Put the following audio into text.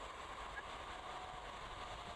飞鹫是日本将棋的棋子之一。